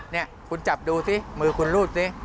นี่คุณจับดูสิมือคุณรูดสิ